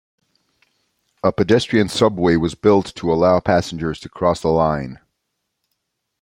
A pedestrian subway was built to allow passengers to cross the line.